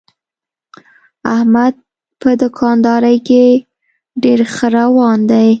احمد په دوکاندارۍ کې ډېر ښه روان دی.